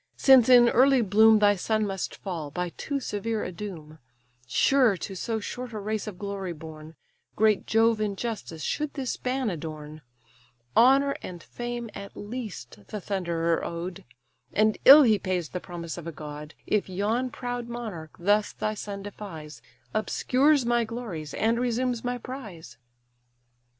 since in early bloom Thy son must fall, by too severe a doom; Sure to so short a race of glory born, Great Jove in justice should this span adorn: Honour and fame at least the thunderer owed; And ill he pays the promise of a god, If yon proud monarch thus thy son defies, Obscures my glories, and resumes my prize."